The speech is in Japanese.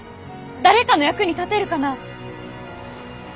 誰かの役に立てるかな？